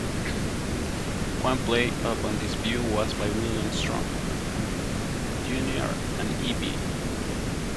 One play upon this view was by William Strunk, Junior and E. B.